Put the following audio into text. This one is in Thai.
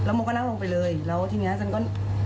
โมก็นั่งลงไปเลยแล้วทีนี้ฉันก็